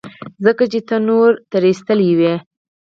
ځکه چې ته نورو تېرايستلى وې.